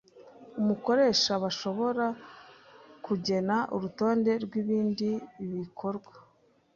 umukoresha bashobora kugena urutonde rw’ibindi bikorwa